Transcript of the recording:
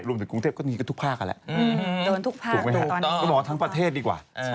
รวมถึงกรุงเทพก็ทุกภาคกันแหละถูกไหมฮะก็หมอทั้งประเทศดีกว่า